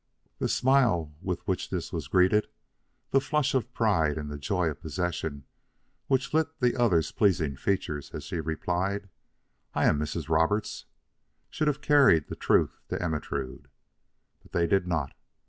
The smile with which this was greeted, the flush of pride and the joy of possession which lit the other's pleasing features as she replied, "I am Mrs. Roberts," should have carried the truth to Ermentrude. But they did not.